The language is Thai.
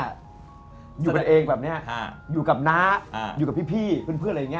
สมัยงานเนี่ยอยู่กับน้าอยู่กับพี่เพื่อนอะไรอย่างเงี้ย